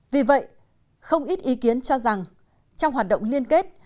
vì vậy không ít ý kiến cho rằng trong hoạt động liên kết